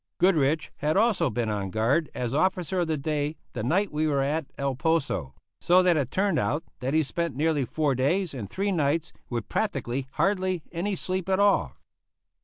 Goodrich had also been on guard as officer of the day the night we were at El Poso, so that it turned out that he spent nearly four days and three nights with practically hardly any sleep at all.